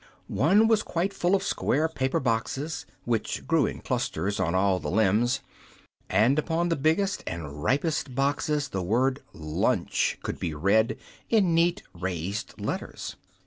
One was quite full of square paper boxes, which grew in clusters on all the limbs, and upon the biggest and ripest boxes the word "Lunch" could be read, in neat raised letters.